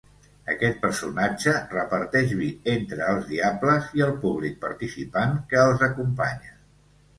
Aquest personatge reparteix vi entre els diables i el públic participant que els acompanya.